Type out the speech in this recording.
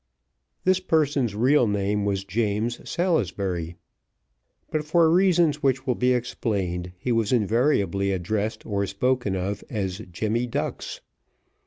This person's real name was James Salisbury, but for reasons which will be explained he was invariably addressed or spoken of as Jemmy Ducks.